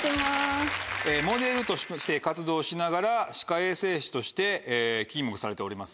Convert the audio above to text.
モデルとして活動しながら歯科衛生士として勤務されております。